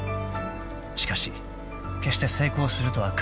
［しかし決して成功するとは限りません］